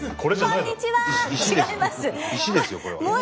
こんにちは。